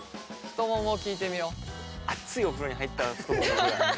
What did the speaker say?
熱いお風呂に入ったらふとももぐらい。